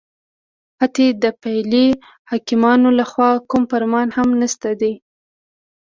حتی د فعلي حاکمانو لخوا کوم فرمان هم نشته دی